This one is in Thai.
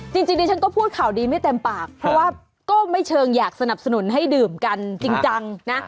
จริงดิฉันก็พูดข่าวดีไม่เต็มปากเพราะว่าก็ไม่เชิงอยากสนับสนุนให้ดื่มกันจริงจังนะ